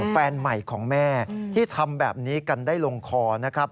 แฟนใหม่ของแม่ที่ทำแบบนี้กันได้ลงคอนะครับ